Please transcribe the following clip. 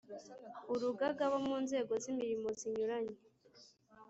Urugaga bo mu nzego z imirimo zinyuranye